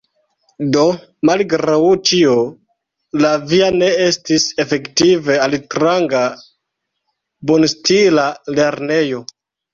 Do, malgraŭ ĉio, la via ne estis efektive altranga, bonstila lernejo.